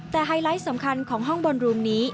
แต่ไฮไลท์สำคัญของห้องบอลรูมนี้